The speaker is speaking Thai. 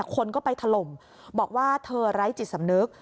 คนก็ไปถล่มบอกว่าเธอไร้จิตสำนึก